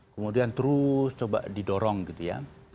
kemudian terus coba didorong gitu ya